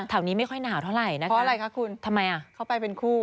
ที่นี่ไม่ค่อยหนาวเท่าไหร่นะคะทำไมอ่ะเพราะอะไรคะคุณเข้าไปเป็นคู่